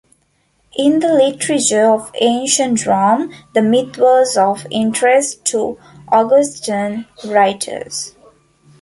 In the literature of ancient Rome, the myth was of interest to Augustan writers.